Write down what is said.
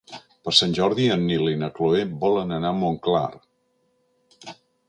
Per Sant Jordi en Nil i na Cloè volen anar a Montclar.